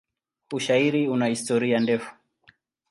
Ushairi una historia ndefu.